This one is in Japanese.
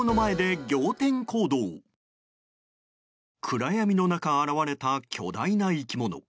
暗闇の中現れた巨大な生き物。